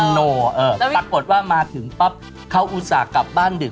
โนปรากฏว่ามาถึงปั๊บเขาอุตส่าห์กลับบ้านดึก